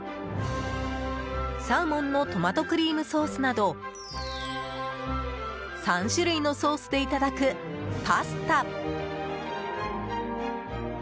サーモンのトマトクリームソースなど３種類のソースでいただくパスタ。